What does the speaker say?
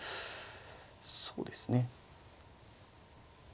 そうですね。